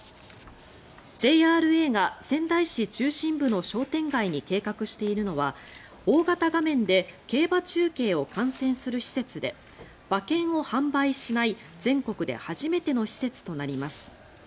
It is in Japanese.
ＪＲＡが仙台市中心部の商店街に計画しているのは大型画面で競馬中継を観戦する施設で馬券を販売しない全国で初めての施設となります。